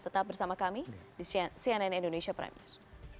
tetap bersama kami di cnn indonesia prime news